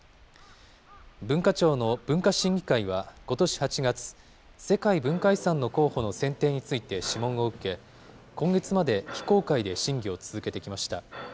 文化庁の文化審議会はことし８月、世界文化遺産の候補の選定について諮問を受け、今月まで非公開で審議を続けてきました。